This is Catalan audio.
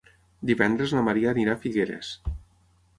Divendres na Maria anirà a Figueres.